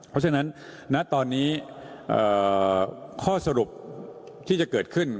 เพราะฉะนั้นณตอนนี้ข้อสรุปที่จะเกิดขึ้น